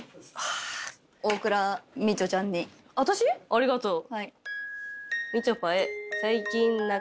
ありがとう。